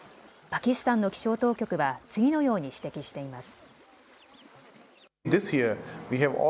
パキスタンの気象当局は次のように指摘しています。